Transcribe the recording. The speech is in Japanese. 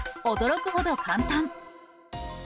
驚くほど簡単。